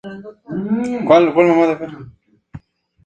El color de los ejemplares juveniles es marrón y blanco.